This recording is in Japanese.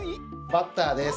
バッターです。